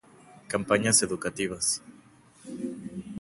Campañas educativas